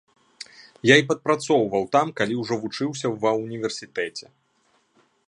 Я і падпрацоўваў там, калі ўжо вучыўся ва ўніверсітэце.